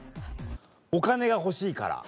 お金が欲しいから。